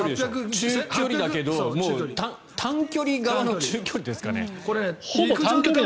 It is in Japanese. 中距離だけど短距離側の中距離ですかね。